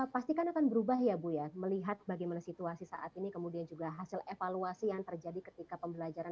pastikan akan berubah ya bu ya melihat bagaimana situasi saat ini kemudian juga hasil evaluasi yang terjadi ketika pembelajaran